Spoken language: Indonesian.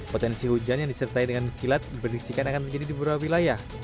potensi hujan yang disertai dengan kilat berisikan akan terjadi di beberapa wilayah